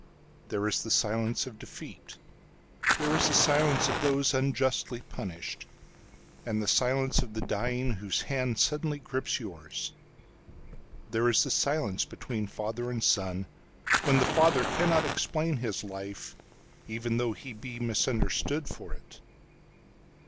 There is the silence of defeat. There is the silence of those unjustly punished; And the silence of the dying whose handSuddenly grips yours. There is the silence between father and son, When the father cannot explain his life, Even though he be misunderstood for it.